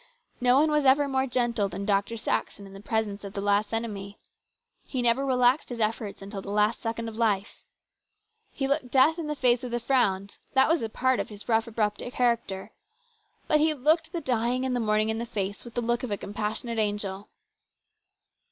No one was ever more gentle than Dr. Saxon in the presence of the last enemy. He never relaxed his efforts until the last second of life. He looked death in the face with a frown ; that was a part of his 224 HIS BROTHER'S KEEPER. rough, abrupt character. But he looked the dying and the mourning in the face with the look of a compassionate angel.